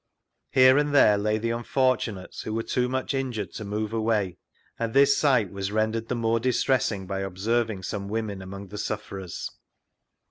Here and there lay the unfortunates who wene too much injured to move away, and this sight was rendered the more distressing by observing some women among the sufferers.